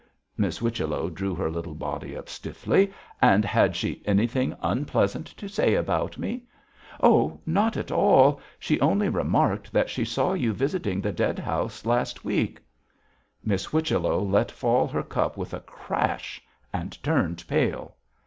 Miss Whichello drew her little body up stiffly. 'And had she anything unpleasant to say about me?' 'Oh, not at all. She only remarked that she saw you visiting the dead house last week.' Miss Whichello let fall her cup with a crash, and turned pale.